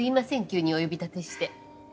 急にお呼び立てして。